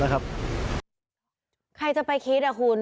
ใครจะไปคิด